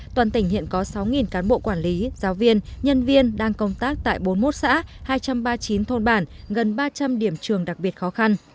toàn tỉnh hiện có sáu cán bộ quản lý giáo viên nhân viên đang công tác tại bốn mươi một xã hai trăm ba mươi chín thôn bản gần ba trăm linh điểm trường đặc biệt khó khăn